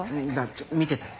ちょっ見てて。